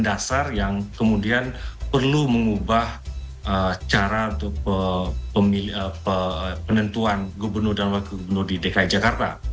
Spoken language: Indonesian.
dasar yang kemudian perlu mengubah cara penentuan gubernur dan wakil gubernur di dki jakarta